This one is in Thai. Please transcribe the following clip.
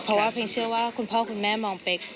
เพราะว่าเพลงเชื่อว่าคุณพ่อคุณแม่มองเป๊ก